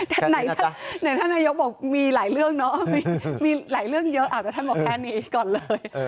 แต่ไหนท่านนายกบอกมีหลายเรื่องเนาะมีหลายเรื่องเยอะแต่ท่านบอกแค่นี้ก่อนเลย